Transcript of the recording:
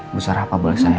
bu sara pak boleh saya